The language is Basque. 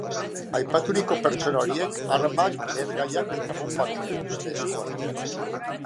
Aipaturiko pertsona horiek armak, lehergaiak eta bonbak omen dituzte esku artean.